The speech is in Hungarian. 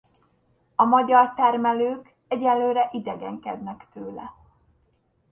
A magyar termelők egyelőre idegenkednek tőle.